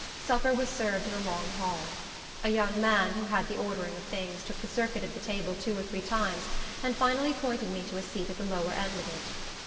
Supper was served in a long hall. A young man, who had the ordering of things, took the circuit of the table two or three times, and finally pointed me to a seat at the lower end of it.